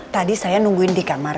tadi saya nungguin di kamar